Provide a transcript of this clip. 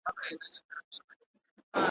د احمدشاه له جګو غرونو سره لوبي کوي.